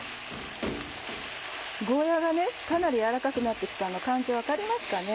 ゴーヤがかなり軟らかくなって来たの感じ分かりますかね？